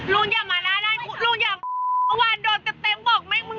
ลูกอย่ามาร้านผมลูกอย่ามาวันโดนจะเต้มบอกไหมมึงไม่ได้ทำเป็นเนี้ย